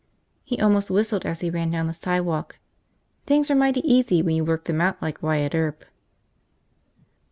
He almost whistled as he ran down the sidewalk. Things were mighty easy when you worked them out like Wyatt Earp.